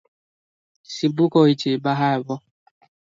ଶିବୁ କହିଛି, ବାହା ହେବ ।